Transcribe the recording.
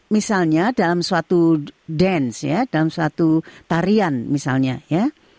misalnya dalam suatu dance ya dalam suatu tarian misalnya ya